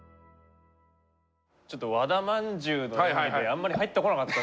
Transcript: ちょっと和田まんじゅうの演技であんまり入ってこなかったですね。